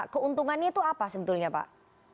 keuntungannya itu apa sebetulnya pak